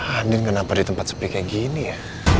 anin kenapa di tempat sepi kayak gini ya